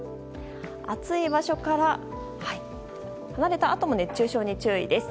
暑い場所から離れたあとも熱中症に注意です。